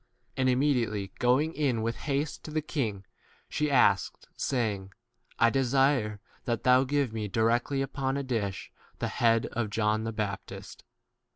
And immediately going in with haste to the king, she asked, saying, I desire that thou give me directly upon a dish the 20 head of John the baptist.